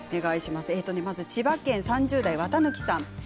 まず千葉県３０代の方からです。